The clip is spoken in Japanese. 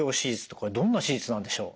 これどんな手術なんでしょう？